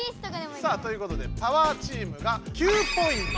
さあということでパワーチームが９ポイント。